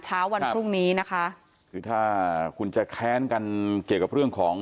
เช้าวันพรุ่งนี้นะคะคือถ้าคุณจะแค้นกันเกี่ยวกับเรื่องของ